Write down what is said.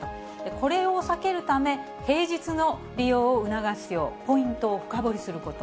これを避けるため、平日の利用を促すよう、ポイントを深掘りすること。